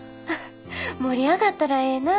盛り上がったらええなぁ。